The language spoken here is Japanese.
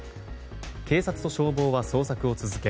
警察と消防は捜索を続け